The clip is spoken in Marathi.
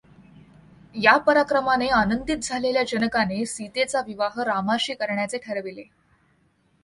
या पराक्रमाने आनंदित झालेल्या जनकाने सीतेचा विवाह रामाशी करण्याचे ठरविले.